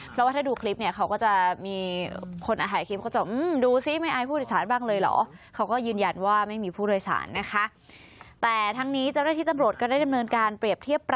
เพราะว่าถ้าดูคลิปเนี่ยเขาก็จะมีคนอาหารคลิป